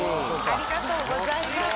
ありがとうございます。